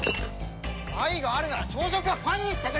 愛があるなら朝食はパンにしてくれよ！